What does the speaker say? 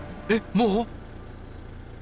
もう？